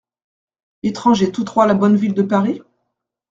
Étrangers tous trois à la bonne ville de Paris ?…